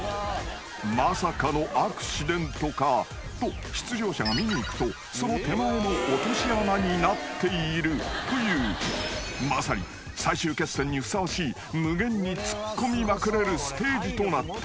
［まさかのアクシデントか？と出場者が見に行くとその手前も落とし穴になっているというまさに最終決戦にふさわしい無限にツッコみまくれるステージとなっている］